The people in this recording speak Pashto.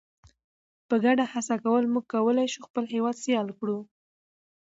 په ګډه هڅه موږ کولی شو خپل هیواد سیال کړو.